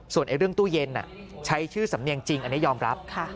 ส่วนเรื่องตู้เย็นใช้ชื่อสำเนียงจริงอันนี้ยอมรับ